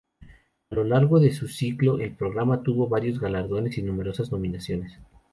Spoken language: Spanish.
A lo largo de su ciclo el programa tuvo varios galardones y numerosas nominaciones.